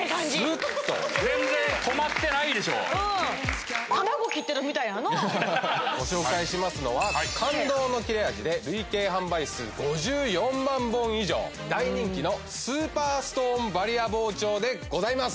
スーッと全然止まってないでしょうんご紹介しますのは感動の切れ味で大人気のスーパーストーンバリア包丁でございます